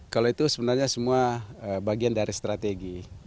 kalau itu sebenarnya semua bagian dari strategi